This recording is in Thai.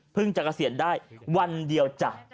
เพิ่งจะเกษียณได้วันเดียวจ่ะ